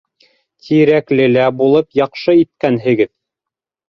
Тирәклелә булып яҡшы иткәнһегеҙ...